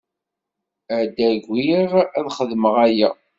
Ad agiɣ ad xedmeɣ aya.